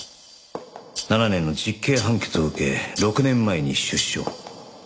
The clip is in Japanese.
７年の実刑判決を受け６年前に出所。